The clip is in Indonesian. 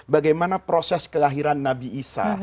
bagaimana proses kelahiran nabi isa